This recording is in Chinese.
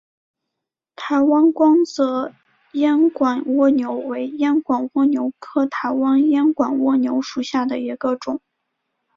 台湾光泽烟管蜗牛为烟管蜗牛科台湾烟管蜗牛属下的一个种。